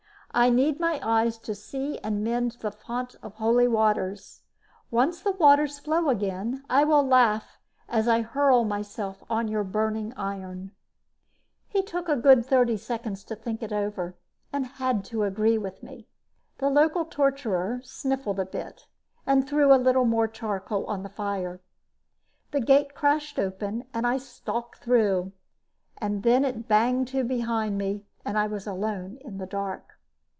I need my eyes to see and mend the Fount of Holy Waters. Once the waters flow again, I will laugh as I hurl myself on the burning iron." He took a good thirty seconds to think it over and had to agree with me. The local torturer sniffled a bit and threw a little more charcoal on the fire. The gate crashed open and I stalked through; then it banged to behind me and I was alone in the dark.